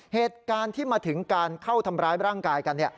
เหตุการณ์ที่มาถึงการเข้าทำร้ายร่างกายกัน